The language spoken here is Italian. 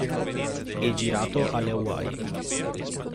È girato alle Hawaii.